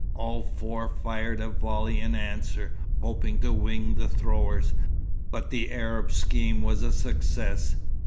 All four fired a volley in answer, hoping to wing the throwers, but the Arab scheme was a success.